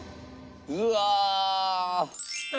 うわ！